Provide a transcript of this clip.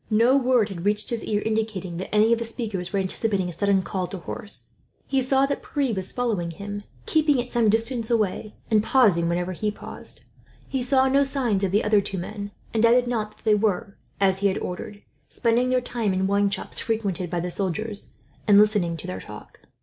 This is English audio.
No word had reached his ear indicating that any of the speakers were anticipating a sudden call to horse. He saw that Pierre was following him, keeping at some distance away, and pausing whenever he paused. He saw no signs of the other two men, and doubted not that they were, as he had ordered, spending their time in wine shops frequented by the soldiers, and listening to their talk.